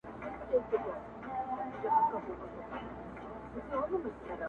• غورځېږم پورته کيږم باک مي نسته له موجونو..